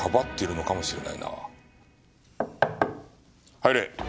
入れ。